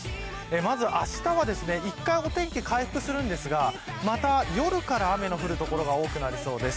まずあしたは、一回お天気回復するんですがまた夜から雨の降る所が多くなりそうです。